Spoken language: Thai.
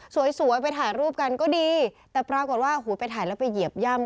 สวยสวยไปถ่ายรูปกันก็ดีแต่ปรากฏว่าหูไปถ่ายแล้วไปเหยียบย่ำ